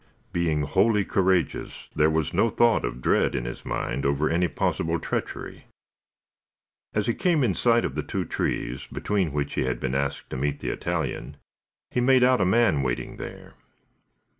Being wholly courageous, there was no thought of dread in his mind over any possible treachery. As he came in sight of the two trees, between which he had been asked to meet the Italian, he made out a man waiting there.